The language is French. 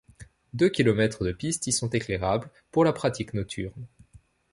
Deux km de pistes y sont éclairables pour la pratique nocturne.